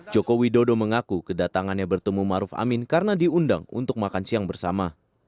jokowi dodo mengaku kedatangannya bertemu ma'ruf amin karena diundang untuk makan siang bersama